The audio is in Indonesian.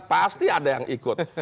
pasti ada yang ikut